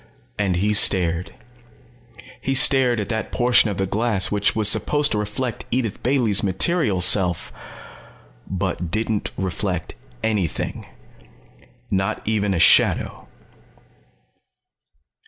And he stared. He stared at that portion of the glass which was supposed to reflect Edith Bailey's material self _but didn't reflect anything. Not even a shadow.